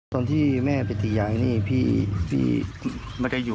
ความจำเลอะเลือนเหมือนเด็กแล้วก็ยืนยันว่าตัวเองไม่ได้ทุบตียายเพราะว่ายายดื้อจริง